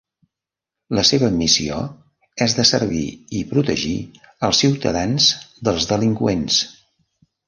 La seva missió és de servir i protegir els ciutadans dels delinqüents.